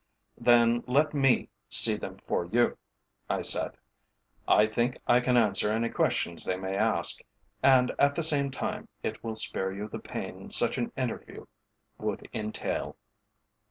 "Then let me see them for you," I said. "I think I can answer any questions they may ask, and at the same time it will spare you the pain such an interview would entail."